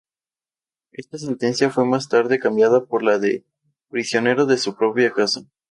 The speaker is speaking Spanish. Esta sentencia fue más tarde cambiada por la de "prisionero en su propia casa".